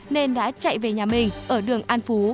nên đã chạy về nhà mình ở đường an phú